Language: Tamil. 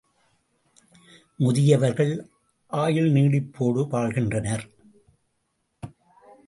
முதியவர்கள் ஆயுள் நீட்டிப்போடு வாழ்கின்றனர்.